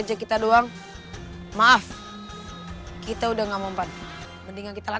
sekarang saya kembali untuk mencintai bola